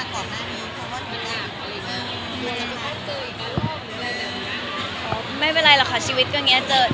แต่ว่ากี่พี่ที่ผ่านมาเราก็คงก็พิสูจน์ได้ระยะหนึ่ง